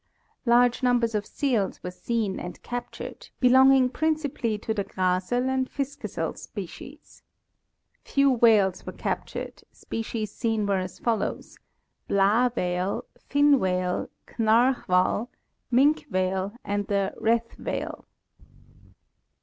Large numbers of seals were seen and captured, belonging principally to the Graasel and Fiskesel species. Few whales were captured ; species seen were as follows: Blaahvale, Finwale, Knarhval, Minkevale and the Rethvale.